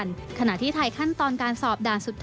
รองอธิบดีโครงการขนส่งทางบก